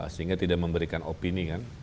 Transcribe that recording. sehingga tidak memberikan opini kan